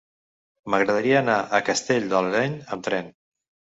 M'agradaria anar a Castell de l'Areny amb tren.